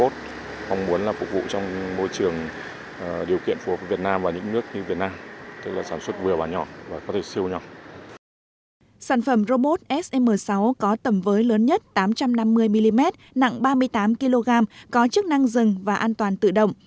sản phẩm robot sm sáu có tầm với lớn nhất tám trăm năm mươi mm nặng ba mươi tám kg có chức năng dừng và an toàn tự động